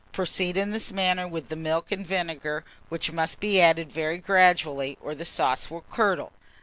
Proceed in this manner with the milk and vinegar, which must be added very gradually, or the sauce will curdle.